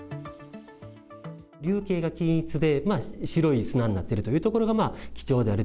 粒形が均一で、白い砂になっているというところが貴重である。